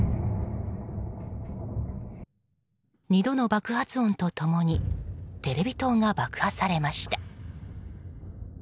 ２度の爆発音と共にテレビ塔が爆破されました。